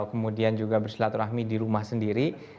atau kemudian juga bersolat rahmi di rumah sendiri